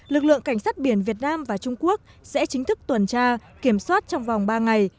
lực lượng cảnh sát biển việt nam và trung quốc sẽ chính thức tuần tra kiểm soát trong vòng ba ngày